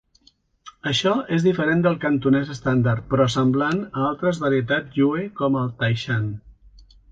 Això és diferent del cantonès estàndard, però semblant a altres varietats Yue com el Taishan.